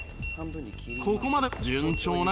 ここまで順調な二階堂